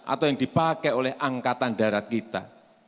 atau yang dipakai oleh angkatan darat kita